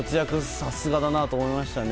さすがだなと思いました。